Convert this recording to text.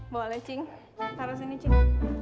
boleh cing taruh sini cing